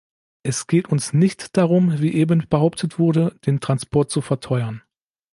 Es geht uns nicht darum, wie eben behauptet wurde, den Transport zu verteuern.